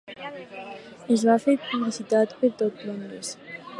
Es va fer publicitat per tot Londres.